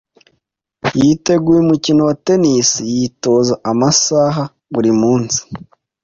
Yiteguye umukino wa tennis yitoza amasaha buri munsi.